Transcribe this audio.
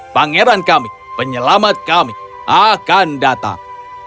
pangeran kami penyelamat kami akan datang